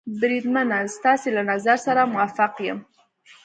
بریدمنه، ستاسې له نظر سره موافق یم.